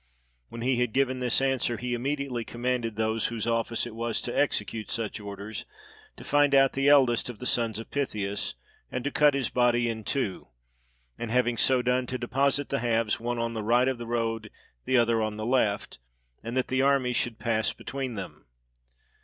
When he had given this answer, he immediately commanded those whose office it was to execute such orders, to find out the eldest of the sons of Pythius, and to cut his body in two; and having so done, to deposit the halves, one on the right of the road, the other on the left; and that the army should pass between them.